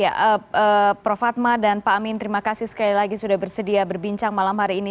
ya prof fatma dan pak amin terima kasih sekali lagi sudah bersedia berbincang malam hari ini